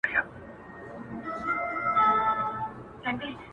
• چي مي څو ځله د وران او د زاړه سړک پر غاړه -